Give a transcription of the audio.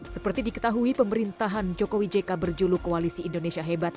seperti diketahui pemerintahan jokowi jk berjulu koalisi indonesia hebat